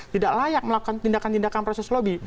tidak layak melakukan tindakan tindakan proses lobby